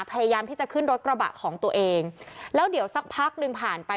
พยายามที่จะขึ้นรถกระบะของตัวเองแล้วเดี๋ยวสักพักหนึ่งผ่านไป